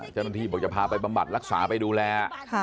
เจ้าหน้าที่บอกจะพาไปบำบัดรักษาไปดูแล